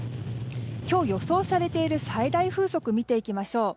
今日予想されている最大風速を見ていきましょう。